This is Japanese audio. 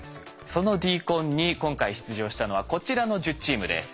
そのＤＣＯＮに今回出場したのはこちらの１０チームです。